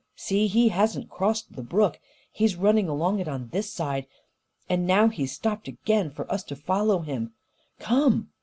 See, he hasn't crossed the brook. He's running along it, on this side. And now he's stopped again for us to follow him. Come!"